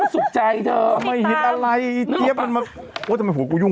มาสุขใจเธอไม่หิดอะไรเฮียมันมาโอ้ยทำไมผมกูยุ่ง